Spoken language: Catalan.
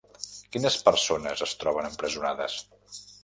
Quines persones es troben empresonades?